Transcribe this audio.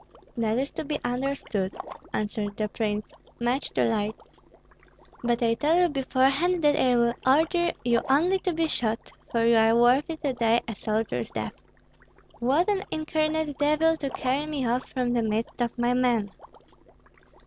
"That is to be understood," answered the prince. "Much too late! But I tell you beforehand that I will order you only to be shot, for you are worthy to die a soldier's death. What an incarnate devil to carry me off from the midst of my men!"